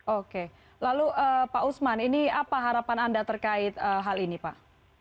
oke lalu pak usman ini apa harapan anda terkait hal ini pak